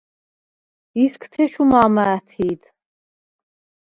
ისგთეჩუ მა̄მა ა̈თჰი̄დ.